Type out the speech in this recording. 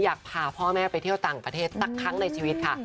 อยากพาพ่อแม่ไปเที่ยวต่างประเทศสักครั้งในชีวิตค่ะ